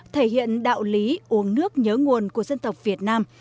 thể hiện đạo lý uống nước nhớ nguồn của dân tộc việt nam